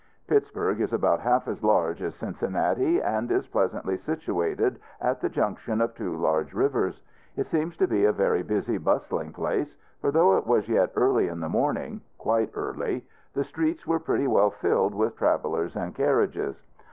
Pittsburg is about half as large as Cincinnati; and is pleasantly situated, at the junction of two large rivers. It seems to be a very busy, bustling place; for though it was yet early in the morning quite early the streets were pretty well filled with travelers and carriages.